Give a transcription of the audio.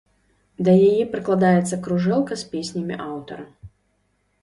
Да яе прыкладаецца кружэлка з песнямі аўтара.